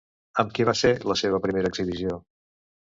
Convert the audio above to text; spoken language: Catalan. Amb qui va ser la seva primera exhibició?